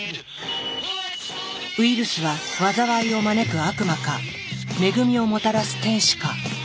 ウイルスは災いを招く悪魔か恵みをもたらす天使か。